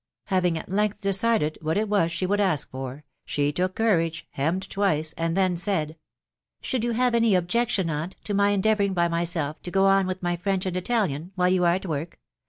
Having at length decided what it was she would ask for, she took courage, hemmed twice, and then said,— " Should you have any objection, aunt, to my endeavouring by mjBelf to go on with my French and Italian* while yan *t woib?